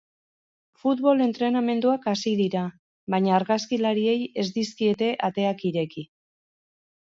Futbol entrenamenduak hasi dira, baina argazkilariei ez dizkiete ateak ireki.